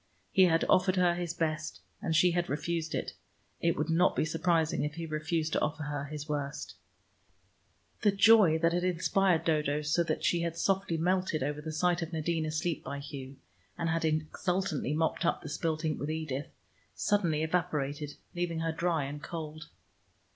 He had offered her his best, and she had refused it; it would not be surprising if he refused to offer her his worst. The joy that had inspired Dodo so that she had softly melted over the sight of Nadine asleep by Hugh, and had exultantly mopped up the spilt ink with Edith, suddenly evaporated, leaving her dry and cold.